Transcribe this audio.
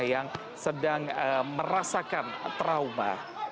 yang sedang merasakan trauma